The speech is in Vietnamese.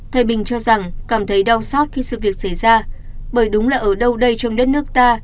thầy bình cho rằng cảm thấy đau xót khi sự việc xảy ra bởi đúng là ở đâu đây trong đất nước ta